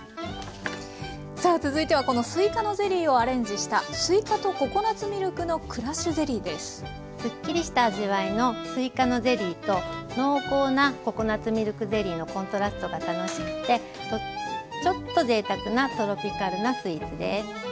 さあ続いてはこのすいかのゼリーをアレンジしたスッキリした味わいのすいかのゼリーと濃厚なココナツミルクゼリーのコントラストが楽しくてちょっとぜいたくなトロピカルなスイーツです。